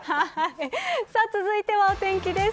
続いてはお天気です。